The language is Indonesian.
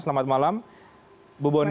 selamat malam ibu boni